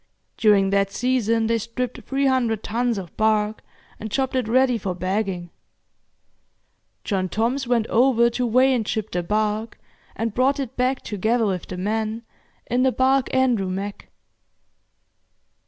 During that season they stripped three hundred tons of bark and chopped it ready for bagging. John Toms went over to weigh and ship the bark, and brought it back, together with the men, in the barque 'Andrew Mack'.